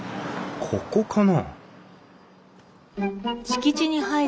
ここかな？